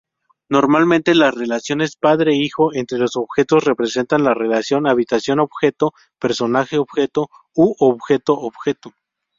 Normalmente las relaciones padre-hijo entre los objetos representan la relación Habitación-Objeto, Personaje-Objeto u Objeto-Objeto.